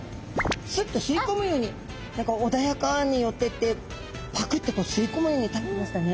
スッと吸い込むように何か穏やかに寄っていってパクッとこう吸い込むように食べましたね。